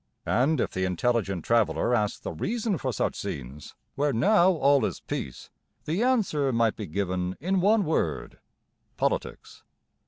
And if the intelligent traveller asked the reason for such scenes, where now all is peace, the answer might be given in one word Politics.